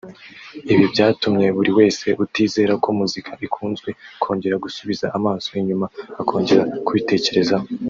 Ibi byatumye buri wese utizera ko muzika ikunzwe kongera gusubiza amaso inyuma akongera kubitekerezaho